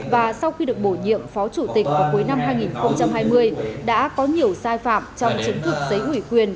và sau khi được bổ nhiệm phó chủ tịch vào cuối năm hai nghìn hai mươi đã có nhiều sai phạm trong chứng thực giấy ủy quyền